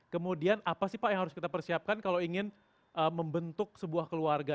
kemudian apa sih pak yang harus kita persiapkan kalau ingin membentuk sebuah keluarga